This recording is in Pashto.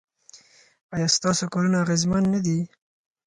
ایا ستاسو کارونه اغیزمن نه دي؟